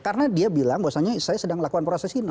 karena dia bilang bahwasannya saya sedang melakukan proses ini